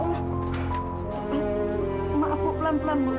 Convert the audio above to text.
kamu masih punya keluarga sayang